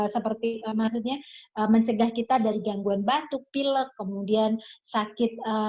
seperti maksudnya mencegah kita dari gangguan batuk pilek kemudian sakit